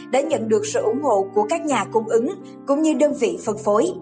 đã nhận được sự ủng hộ của các nhà cung ứng cũng như đơn vị phân phối